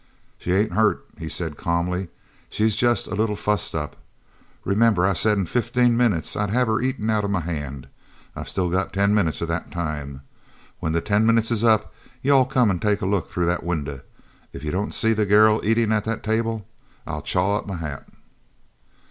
"She ain't hurt," he said calmly, "she's jest a little fussed up. Remember I said in fifteen minutes I'd have her eatin' out of my hand. I've still got ten minutes of that time. When the ten minutes is up you all come an' take a look through that window. If you don't see the girl eatin' at that table, I'll chaw up my hat."